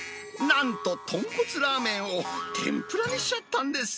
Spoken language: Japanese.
なんと、とんこつラーメンを天ぷらにしちゃったんです。